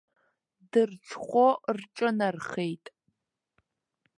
Дырҽхәо рҿынархеит.